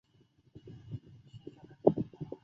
目前全新世气候变化的原因仍在进一步探讨之中。